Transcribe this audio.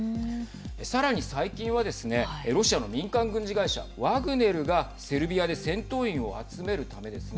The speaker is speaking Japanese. さらに最近はですねロシアの民間軍事会社ワグネルがセルビアで戦闘員を集めるためですね